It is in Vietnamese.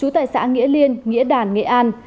đã nghĩa liên nghĩa đàn nghệ an